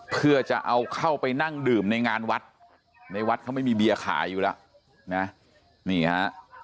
เพื่อจะเอาเข้าไปนั่งดื่มในงานวัดในวัดเขาไม่มีเบียร์ขายอยู่แล้วนะนี่ฮะ